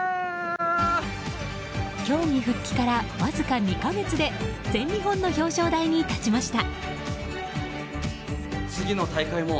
競技復帰からわずか２か月で全日本の表彰台に立ちました。